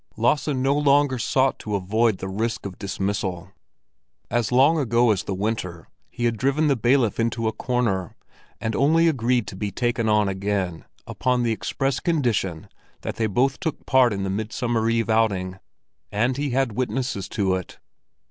Lasse no longer sought to avoid the risk of dismissal. As long ago as the winter, he had driven the bailiff into a corner, and only agreed to be taken on again upon the express condition that they both took part in the Midsummer Eve outing; and he had witnesses to it.